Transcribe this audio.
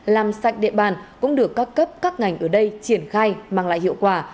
làm sạch địa bàn cũng được các cấp các ngành ở đây triển khai mang lại hiệu quả